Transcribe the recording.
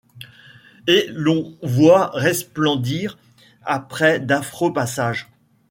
Et l’on voit resplendir, après d’affreux passages ;